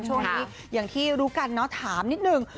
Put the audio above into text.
ช่วงนี้อย่างที่รู้กันเนอะถามนิดนึง